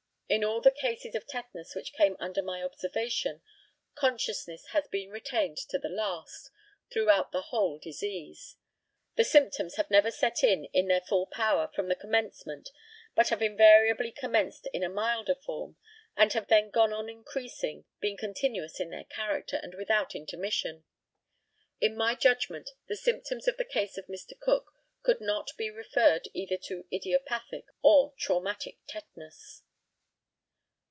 In all the cases of tetanus which came under my observation consciousness has been retained to the last, throughout the whole disease. The symptoms have never set in in their full power from the commencement, but have invariably commenced in a milder form, and have then gone on increasing, being continuous in their character, and without intermission. In my judgment the symptoms in the case of Mr. Cook could not be referred either to idiopathic or traumatic tetanus.